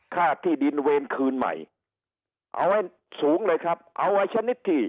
ค่าที่ดินเวรคืนใหม่เอาไว้สูงเลยครับเอาไว้ชนิดที่